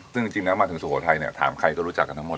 ซึ่งถึงมาถึงสทธิ์โสภาทัยถามใครก็รู้จักทั้งหมด